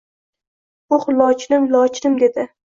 Uh lochinim lochinim dedi